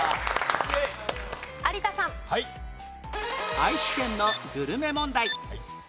愛知県のグルメ問題